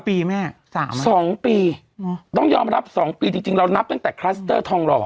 ปีแม่๒ปีต้องยอมรับ๒ปีจริงเรานับตั้งแต่คลัสเตอร์ทองหล่อ